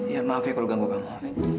ya maaf ya kalau ganggu gangguan